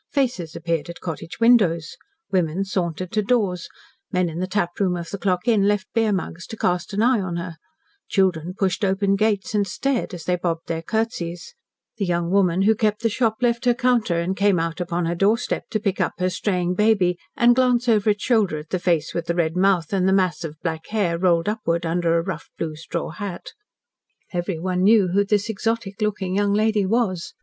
Faces appeared at cottage windows, women sauntered to doors, men in the taproom of the Clock Inn left beer mugs to cast an eye on her; children pushed open gates and stared as they bobbed their curtsies; the young woman who kept the shop left her counter and came out upon her door step to pick up her straying baby and glance over its shoulder at the face with the red mouth, and the mass of black hair rolled upward under a rough blue straw hat. Everyone knew who this exotic looking young lady was.